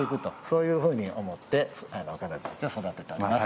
そういうふうに思って彼女たちを育てております。